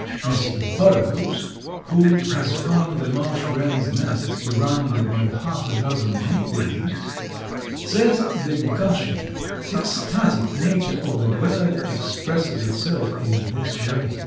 Mr. Burroughs, who has found the marsh wren's nest surrounded by half a dozen make believes, says the gushing, ecstatic nature of the bird expresses itself in this way.